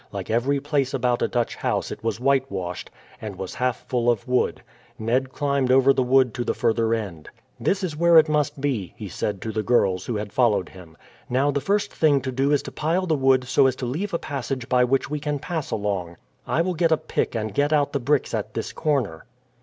Like every place about a Dutch house it was whitewashed, and was half full of wood. Ned climbed over the wood to the further end. "This is where it must be," he said to the girls, who had followed him. "Now, the first thing to do is to pile the wood so as to leave a passage by which we can pass along. I will get a pick and get out the bricks at this corner."